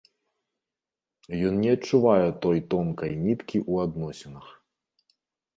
Ён не адчувае той тонкай ніткі ў адносінах.